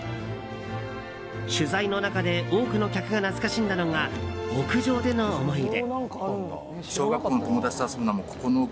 取材の中で多くの客が懐かしんだのが屋上での思い出。